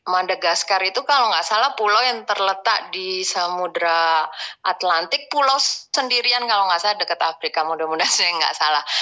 madagaskar itu kalau nggak salah pulau yang terletak di samudra atlantik pulau sendirian kalau nggak salah dekat afrika muda muda sih nggak salah